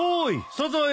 サザエ